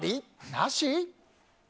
なし？